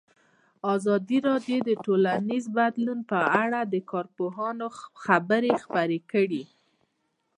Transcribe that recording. ازادي راډیو د ټولنیز بدلون په اړه د کارپوهانو خبرې خپرې کړي.